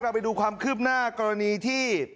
ไปดูความคืบหน้ากรณีที่